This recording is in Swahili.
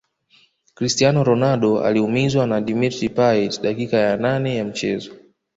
cristiano ronaldo aliumizwa na dimitr payet dakika ya nane ya mchezo